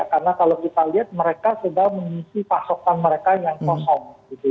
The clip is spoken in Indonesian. karena kalau kita lihat mereka sudah mengisi pasokan mereka yang kosong gitu